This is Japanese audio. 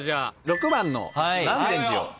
６番の南禅寺を。